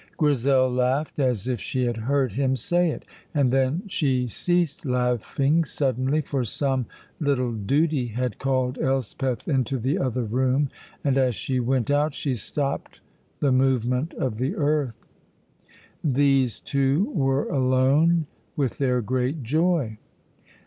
Grizel laughed as if she had heard him say it. And then she ceased laughing suddenly, for some little duty had called Elspeth into the other room, and as she went out she stopped the movement of the earth. These two were alone with their great joy.